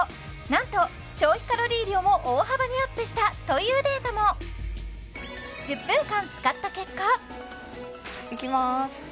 なんと消費カロリー量も大幅にアップしたというデータも１０分間使った結果いきます